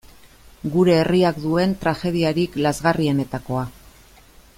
Gure herriak duen tragediarik lazgarrienetakoa.